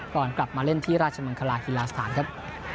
ก่อนกลับมาเล่นที่ราชมังคลาฮิลาสถานครับ